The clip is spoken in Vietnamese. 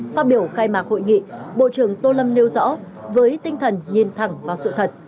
phát biểu khai mạc hội nghị bộ trưởng tô lâm nêu rõ với tinh thần nhìn thẳng vào sự thật